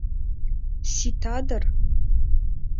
Сита дыр.